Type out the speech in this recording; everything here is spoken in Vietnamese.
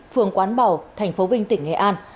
phường quán bảo thành phố vinh tỉnh nghệ an